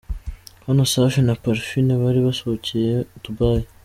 Hano Safi na Parfine bari basohokeye Dubai.